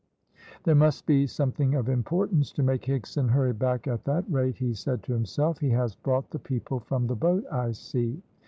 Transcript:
"There must be something of importance to make Higson hurry back at that rate," he said to himself. "He has brought the people from the boat, I see."